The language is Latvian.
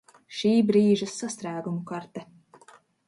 Šībrīža sastrēgumu karte